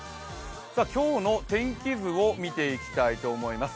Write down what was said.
今日の天気図を見ていきたいと思います。